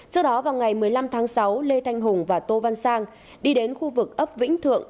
trước đó vào ngày một mươi năm tháng sáu lê thanh hùng và tô văn sang đi đến khu vực ấp vĩnh thượng